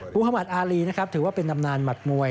หมัติอารีนะครับถือว่าเป็นตำนานหมัดมวย